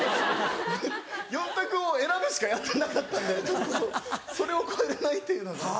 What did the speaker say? ４択を選ぶしかやってなかったんでちょっとそれを超えれないっていうのが。